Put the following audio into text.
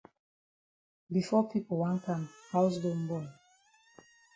Before pipo wan kam haus don bon.